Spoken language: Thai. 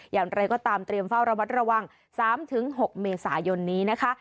อย่างไรก็ตามเตรียมเฝ้าระวัดระวัง๓๖เมษายนนี้นะคะ